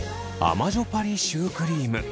まじょぱりシュークリーム。